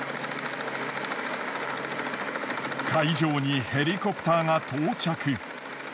会場にヘリコプターが到着。